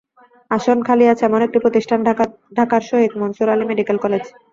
আসন খালি আছে এমন একটি প্রতিষ্ঠান ঢাকার শহীদ মনসুর আলী মেডিকেল কলেজ।